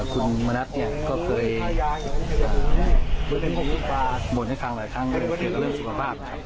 คุณมณัฐก็เคยบ่นให้ฟังหลายครั้งเรื่องสุขภาพ